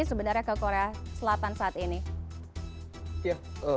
sebenarnya ke korea selatan saat ini